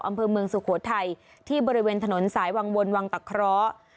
อำเภอเมืองสุโขทัยที่บริเวณถนนสายวังวนวังตะเคราะห์